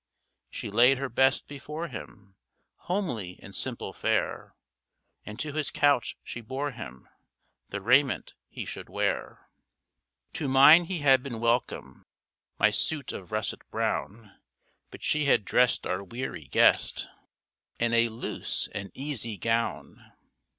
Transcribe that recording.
She laid her best before him, Homely and simple fare, And to his couch she bore him The raiment he should wear. To mine he had been welcome, My suit of russet brown, But she had dressed our weary guest In a loose and easy gown.